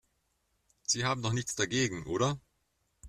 Sie haben doch nichts dagegen, oder?